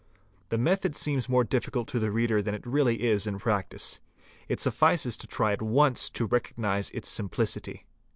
The method seems more difficult to the i MEASUREMENTS 537 reader than it really is in practice. It suffices to try it once to recognise its simplicity.